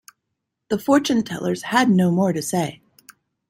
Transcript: The fortune-tellers had no more to say.